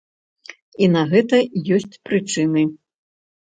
І на гэта ёсць прычыны.